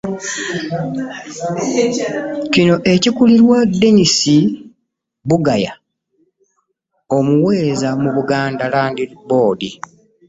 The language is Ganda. Kino ekikulirwa Denis Bugaya omuweereza mu Buganda Land Board